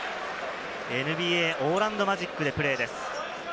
ＮＢＡ、オーランド・マジックでプレーです。